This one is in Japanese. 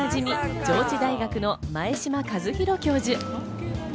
上智大学の前嶋和弘教授。